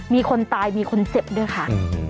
มีคนตายมีคนเจ็บด้วยค่ะ